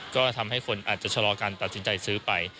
ก็ทำให้คนอาจจะชะลอการตัดสินใจซื้อไป